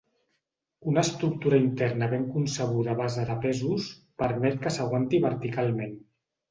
Una estructura interna ben concebuda a base de pesos permet que s'aguanti verticalment.